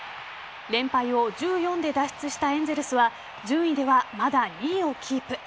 連敗を１４で脱出したエンゼルスは順位では、まだ２位をキープ。